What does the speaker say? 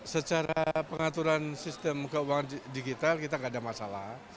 secara pengaturan sistem keuangan digital kita tidak ada masalah